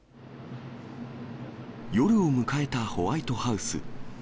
夜を迎えたホワイトハウス。